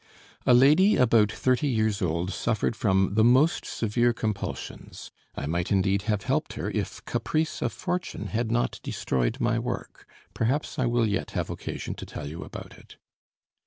A lady about thirty years old suffered from the most severe compulsions. I might indeed have helped her if caprice of fortune had not destroyed my work perhaps I will yet have occasion to tell you about it.